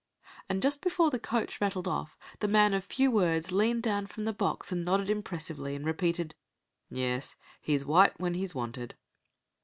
And just before the coach rattled off, the man of few words leant down from the box and nodded impressively, and repeated, "Yes, he's white when he's wanted."